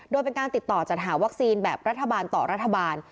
โดยเป็นการติดต่อจัดหาวัคซีนแบบรัฐบาลต่อรัฐบาล